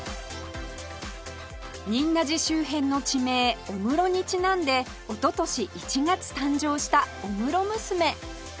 仁和寺周辺の地名御室にちなんでおととし１月誕生した御室ムスメ